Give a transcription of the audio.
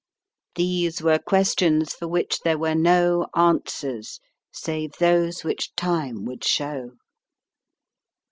These were questions for which there were no answers save those which time would show.